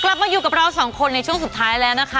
กลับมาอยู่กับเราสองคนในช่วงสุดท้ายแล้วนะคะ